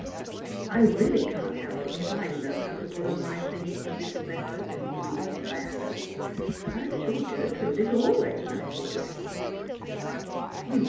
"I really can't help it if I know how to put on my things a little better than you and Diana. I'm sure Gertrude is always nicely dressed."